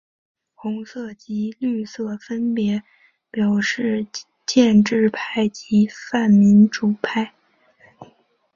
红色及绿色分别表示建制派及泛民主派。